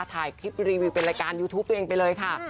ถ่ายคลิปรีวิวเป็นรายการยูทูปตัวเองไปเลยค่ะ